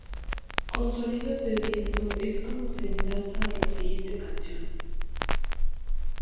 Con sonidos de viento es como se enlaza a la siguiente canción.